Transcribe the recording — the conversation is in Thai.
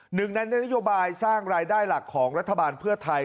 หนึ่งในนโยบายสร้างรายได้หลักของรัฐบาลเพื่อไทย